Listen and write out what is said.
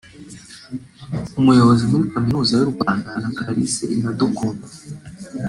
Umuyobozi muri Kaminuza y’u Rwanda na Clarisse Iradukunda